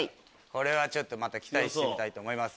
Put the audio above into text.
これはちょっと期待してみたいと思います。